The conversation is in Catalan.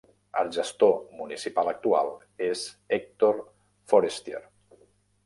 El gestor municipal actual és Hector Forestier.